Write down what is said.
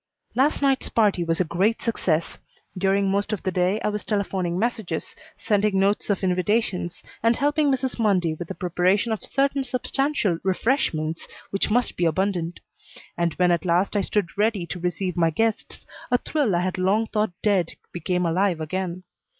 Last night's party was a great success. During most of the day I was telephoning messages, sending notes of invitations, and helping Mrs. Mundy with the preparation of certain substantial refreshments which must be abundant; and when at last I stood ready to receive my guests a thrill I had long thought dead became alive again.